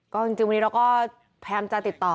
ก็จริงวันนี้เราก็พยายามจะติดต่อ